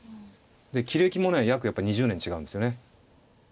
棋歴もね約やっぱ２０年違うんですよね。